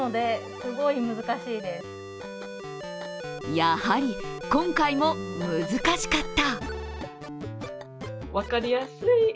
やはり、今回も難しかった。